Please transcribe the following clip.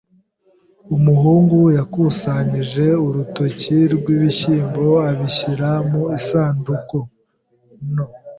Umuhungu yakusanyije urutoki rwibishyimbo abishyira mu isanduku nto.